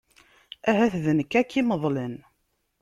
Ahat d nekk ara k-imeḍlen.